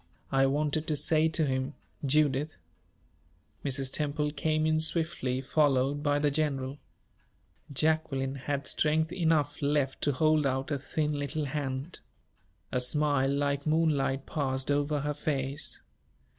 I wanted to say to him Judith " Mrs. Temple came in swiftly, followed by the general. Jacqueline had strength enough left to hold out a thin little hand. A smile like moonlight passed over her face.